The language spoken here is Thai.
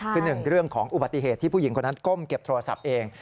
คือหนึ่งเรื่องของอุบัติเหตุที่ผู้หญิงคนนั้นก้มเก็บโทรศัพท์เอง